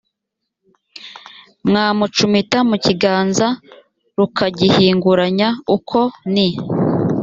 rwamucumita mu kiganza rukagihinguranya uko ni